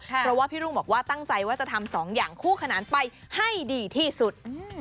เพราะว่าพี่รุ่งบอกว่าตั้งใจว่าจะทำสองอย่างคู่ขนานไปให้ดีที่สุด